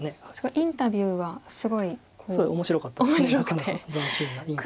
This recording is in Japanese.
インタビューはすごい。面白かったです。